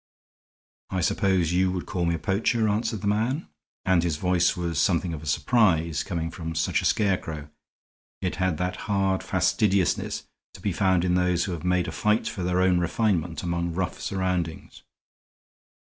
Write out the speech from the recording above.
"I suppose you would call me a poacher," answered the man; and his voice was something of a surprise coming from such a scarecrow; it had that hard fastidiousness to be found in those who have made a fight for their own refinement among rough surroundings.